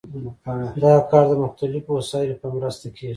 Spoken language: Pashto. دا کار د مختلفو وسایلو په مرسته کیږي.